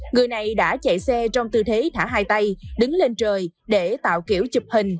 người này đã chạy xe trong tư thế thả hai tay đứng lên trời để tạo kiểu chụp hình